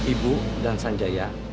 ibu dan sanjaya